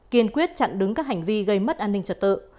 kiên quyết chặn đứng các hành vi gây mất an ninh trật tự